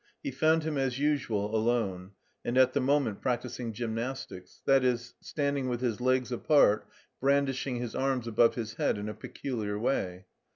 He found him, as usual, alone, and at the moment practising gymnastics, that is, standing with his legs apart, brandishing his arms above his head in a peculiar way.